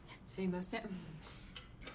すいません。